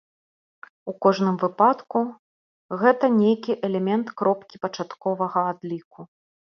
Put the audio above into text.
У кожным выпадку, гэта нейкі элемент кропкі пачатковага адліку.